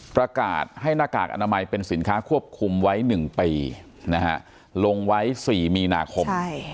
ประกาศให้หน้ากากอนามัยเป็นสินค้าควบคุมไว้๑ปีลงไว้๔มีนาคม